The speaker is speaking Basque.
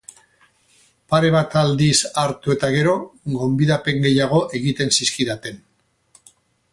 Pare bat aldiz parte hartu eta gero, gonbidapen gehiago egiten zizkidaten.